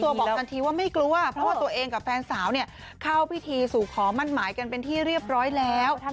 บอกทันทีว่าไม่กลัวเพราะว่าตัวเองกับแฟนสาวเนี่ยเข้าพิธีสู่ขอมั่นหมายกันเป็นที่เรียบร้อยแล้ว